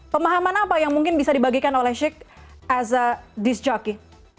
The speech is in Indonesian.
pemahaman apa yang mungkin bisa dibagikan oleh sik as a disc jockey